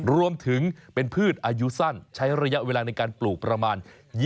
รวมถึงเป็นพืชอายุสั้นใช้ระยะเวลาในการปลูกประมาณ